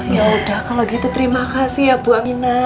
ya udah kalau gitu terima kasih ya bu aminah